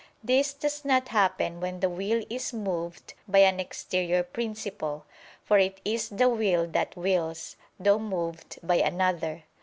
This does not happen when the will is moved by an exterior principle: for it is the will that wills, though moved by another.